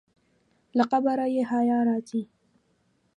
له قبره یې حیا راځي.